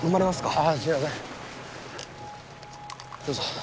どうぞ。